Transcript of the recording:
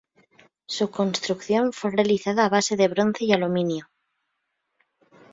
Su construcción fue realizada a base de bronce y aluminio.